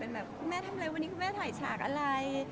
เป็นแบบคุณแม่ทำอะไรวันนี้คุณแม่ถ่ายฉากอะไร